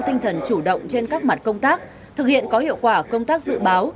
tinh thần chủ động trên các mặt công tác thực hiện có hiệu quả công tác dự báo